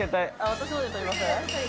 私ので撮ります？